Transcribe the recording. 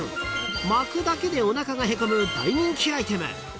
［巻くだけでおなかがへこむ大人気アイテム］